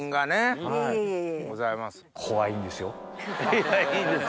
いやいいです